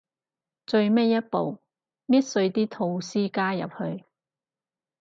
最尾一步，搣碎啲吐司加入去